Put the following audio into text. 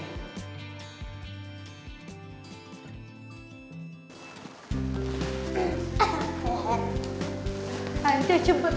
nanti ya cepet